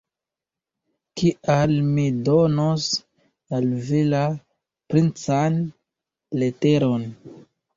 Kial mi donos al vi la princan leteron?